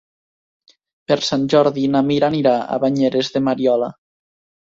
Per Sant Jordi na Mira anirà a Banyeres de Mariola.